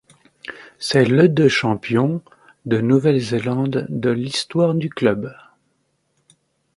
C'est le de champion de Nouvelle-Zélande de l'histoire du club.